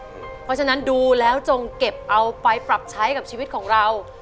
เพราะฉะนั้นดูแล้วจงเก็บเอาไปปรับใช้กับชีวิตของเรา